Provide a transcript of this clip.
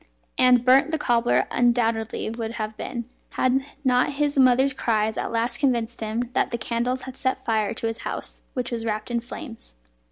And burnt the cobbler undoubtedly would have been, had not his mother's cries at last convinced him that the candles had set fire to his house, which was wrapped in flames.